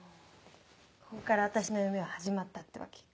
ここから私の夢は始まったってわけ。